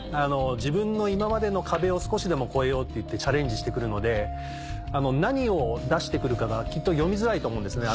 自分の今までの壁を少しでも超えようっていってチャレンジして来るので何を出して来るかが読みづらいと思うんですね